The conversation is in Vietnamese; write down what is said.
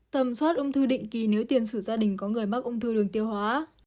tầm soát ung thư định kỳ nếu tiền sử gia đình có người mắc ung thư đường tiêu hóa